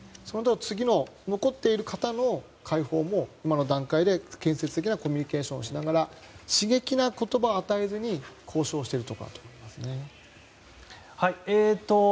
次の残っている方の解放も今の段階で建設的なコミュニケーションをしながら刺激な言葉を与えずに交渉しているところだと思います。